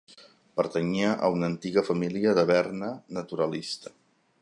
Pertanyia a una antiga família de Berna naturalista.